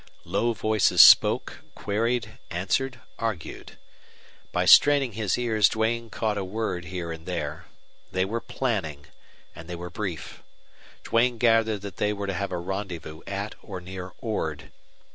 Low voices spoke, queried, answered, argued. By straining his ears Duane caught a word here and there. They were planning, and they were brief. Duane gathered they were to have a rendezvous at or near Ord.